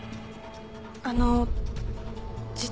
あの実は。